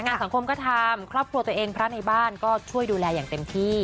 สังคมก็ทำครอบครัวตัวเองพระในบ้านก็ช่วยดูแลอย่างเต็มที่